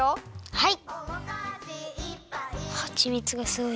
はい！